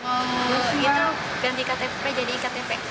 mau ganti ktp jadi iktp